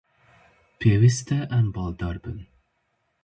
Pêwîst e em baldar bin.